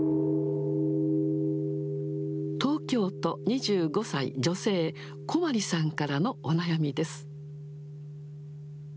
東京都、２５歳女性、こまりさんからのお悩みです。